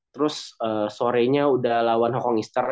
terus sore nya udah lawan hongkong eastern